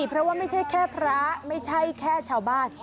เพราะว่าไม่ใช่แค่พระไม่ใช่แค่ชาวบ้าน